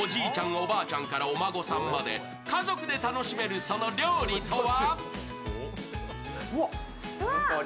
おばあちゃんからお孫さんまで家族で楽しめるその料理とは？